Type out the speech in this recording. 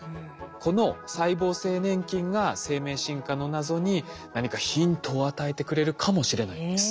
この細胞性粘菌が生命進化の謎に何かヒントを与えてくれるかもしれないんです。